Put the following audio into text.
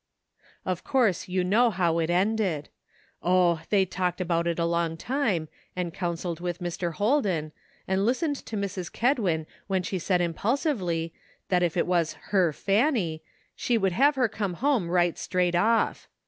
Of course you know how it ended. Oh! they talked about it a long time, and counseled with Mr. Holden, and listened to Mrs. Kedwin when she said impulsively that if it was "her Fanny" she would have her come home right straight off.